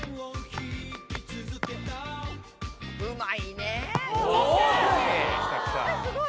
うまいね。